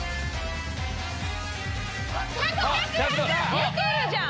出てるじゃん！